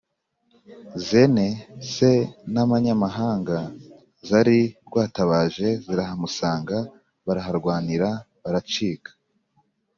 zene se n’amanyamahanga zari rwatabaje zirahamusanga, baraharwanira biracika.